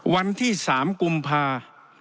วันที่๓กุมภา